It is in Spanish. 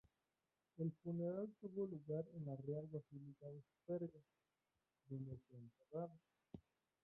El funeral tuvo lugar en la Real Basílica de Superga, donde fue enterrada.